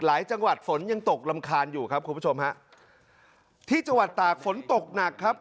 จังหวัดฝนยังตกรำคาญอยู่ครับคุณผู้ชมฮะที่จังหวัดตากฝนตกหนักครับ